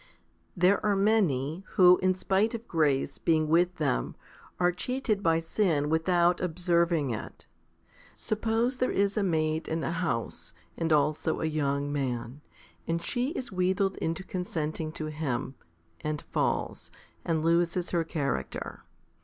28. There are many, who, in spite of grace being with them, are cheated by sin without observing it. Suppose there is a maid in a house, and also a young man ; and she is wheedled into consenting to him, and falls, and loses her character.